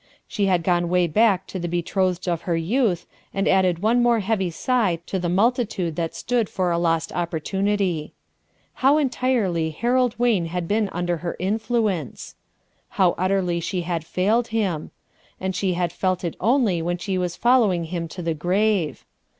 She had gone away back to the 4 HUTU ERSKINE'S SON betrothed of her youth, and added one more heavy sigh (o the multitude that stood for a lost opportunity. How entirely Harold Wayne had been under her influence! how utterly she had failed him I And she had felt it only when she was following him to the grave.